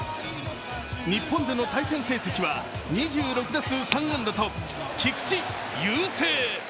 日本での対戦成績は２６打数３安打と菊池、優勢。